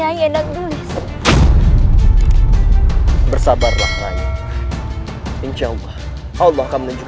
kita beristirahat di dalam gua itu rai